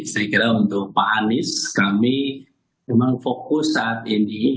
saya kira untuk pak anies kami memang fokus saat ini